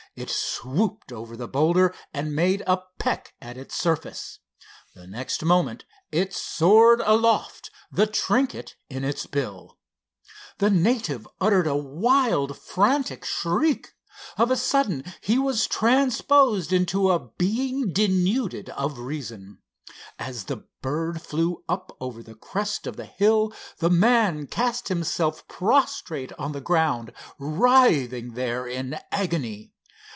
It swooped over the boulder and made a peck at its surface. The next moment it soared aloft, the trinket in its bill. The native uttered a wild, frantic shriek. Of a sudden he was transposed into a being denuded of reason. As the bird flew up over the crest of the hill, the man cast himself prostrate on the ground; writhing there in agony.